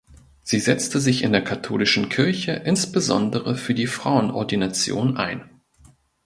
Sie setzte sich in der katholischen Kirche insbesondere für die Frauenordination ein.